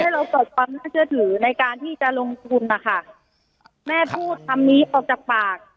เราตอบความน่าเชื่อถือในการที่จะลงทุนนะคะแม่พูดคำนี้ออกจากปาก